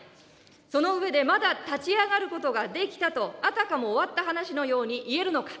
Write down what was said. その上でまだ立ち上がることができたと、あたかも終わった話のように言えるのか。